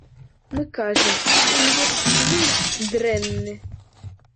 Мы кажам, інвестклімат дрэнны.